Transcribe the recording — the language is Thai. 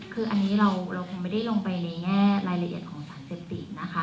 คืออันนี้เราคงไม่ได้ลงไปในแง่รายละเอียดของสารเสพติดนะคะ